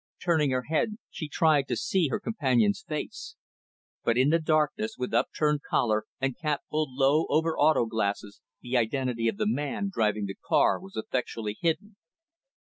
Turning her head, she tried to see her companion's face. But, in the darkness, with upturned collar and cap pulled low over "auto glasses," the identity of the man driving the car was effectually hidden.